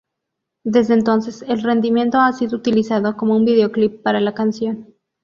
Desde entonces, el rendimiento ha sido utilizado como un videoclip para la canción.